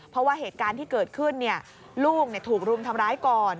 เพราะว่าเหตุการณ์ที่เกิดขึ้นลูกถูกรุมทำร้ายก่อน